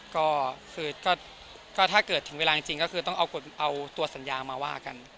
ก็คือก็ถ้าเกิดถึงเวลาจริงก็คือต้องเอาตัวสัญญามาว่ากัน